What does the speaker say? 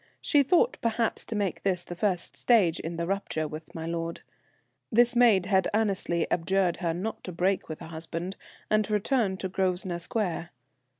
She thought, perhaps, to make this the first stage in the rupture with my lord. This maid had earnestly adjured her not to break with her husband, and to return to Grosvenor Square.